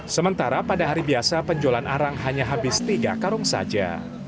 sementara pada hari biasa penjualan arang hanya habis tiga karung saja